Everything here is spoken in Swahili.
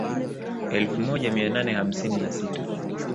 Elfu moja mia nane hamsini na sita